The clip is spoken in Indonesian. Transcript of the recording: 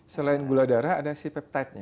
selain gula darah ada si peptidenya